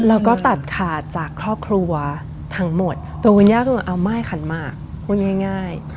แล้วก็ตัดขาดจากครอบครัวทั้งหมดตัวคุณย่าก็เลยเอาม่ายขันหมากพูดง่าย